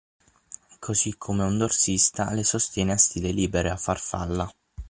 così come un dorsista le sostiene a stile libero e farfalla.